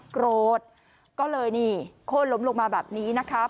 โกรธก็เลยนี่โค้นล้มลงมาแบบนี้นะครับ